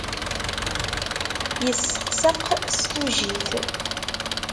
Yesseqseq s tujit.